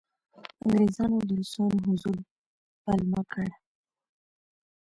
انګریزانو د روسانو حضور پلمه کړ.